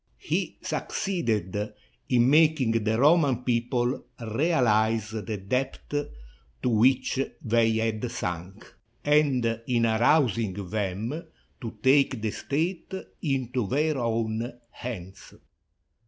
He suc ceeded in making the Roman people realize the depth to which they had sunk and in arousing them to take the state into their own hands.